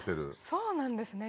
そうなんですね。